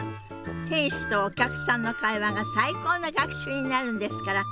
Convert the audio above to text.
店主とお客さんの会話が最高の学習になるんですから。